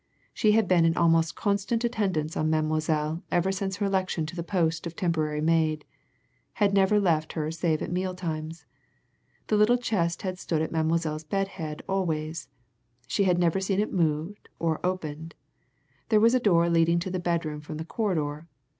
She had been in almost constant attendance on Mademoiselle ever since her election to the post of temporary maid had never left her save at meal times. The little chest had stood at Mademoiselle's bed head always she had never seen it moved, or opened. There was a door leading into the bedroom from the corridor.